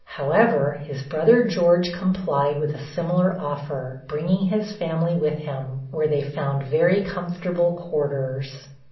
However, his brother George complied with a similar offer, bringing his family with him, where they found very comfortable quarters.